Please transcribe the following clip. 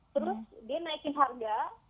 terus dia naikin harga